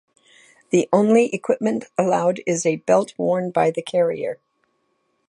The only equipment allowed is a belt worn by the carrier.